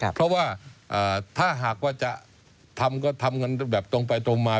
เพราะว่าถ้าหากว่าจะทำก็ทำกันแบบตรงไปตรงมา